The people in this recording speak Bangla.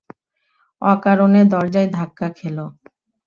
অকারণে দরজায় ধাক্কা খেল।